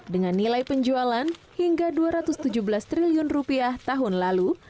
dengan nilai penjualan hingga dua ratus tujuh belas triliun rupiah tahun lalu